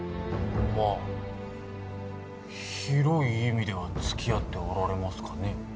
まあ広い意味では付き合っておられますかねえ